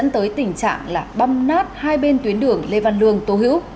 tình trạng là băm nát hai bên tuyến đường lê văn lương tô hữu